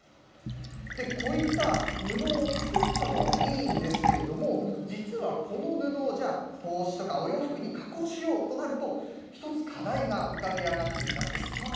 こういった布を作ったのはいいんですけれども、実は、この布、じゃあ、帽子とかお洋服に加工しようとなると、１つ、課題が浮かび上がってきたんです。